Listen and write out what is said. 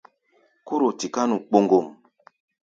Kóro tiká nu kpoŋgom.